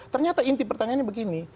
ternyata inti pertanyaannya begini